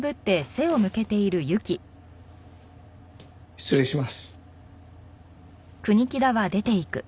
失礼します。